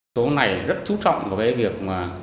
số này rất chú trọng với việc